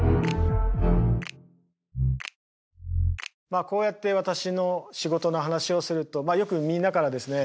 まあこうやって私の仕事の話をするとよくみんなからですね